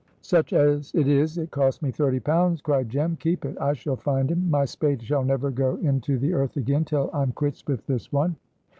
"Such as it is it cost me thirty pounds," cried Jem. "Keep it. I shall find him. My spade shall never go into the earth again till I'm quits with this one."